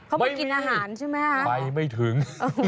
เขาบอกว่ากินอาหารใช่ไหมครับไม่มีไปไม่ถึง